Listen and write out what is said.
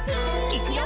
「いくよ！